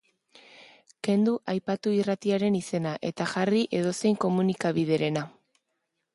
Kendu aipatu irratiaren izena eta jarri edozein komunikabiderena.